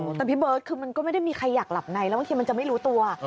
แต่พี่เบิร์ตคือมันก็ไม่ได้มีใครอยากหลับในแล้วบางทีมันจะไม่รู้ตัว